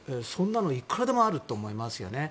そんなのいくらでもあると思います。